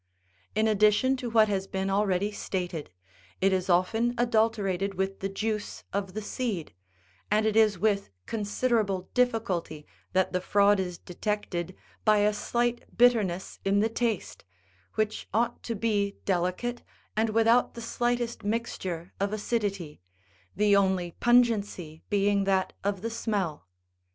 In addition to what has been already stated, it is often adulterated with the juice of the seed, and it is with considerable difficulty that the fraud is detected by a slight bitterness in the taste, which ought to be delicate and without the slightest mixture of acidity, the only pungency being that of the smell.